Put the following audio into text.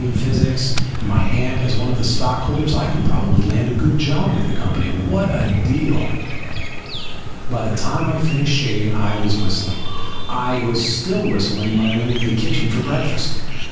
in physics, and my aunt as one of the stockholders, I could probably land a good job with the company. What a deal! By the time I finished shaving I was whistling. I was still whistling when I went into the kitchen for breakfast.